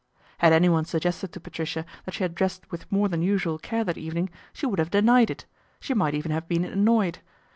Had anyone suggested to Patricia that she had dressed with more than usual care that evening, she would have denied it, she might even have been annoyed.